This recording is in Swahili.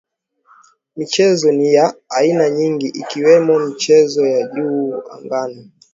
Michezo ni ya aina nyingi ikiwemo michezo ya juu angani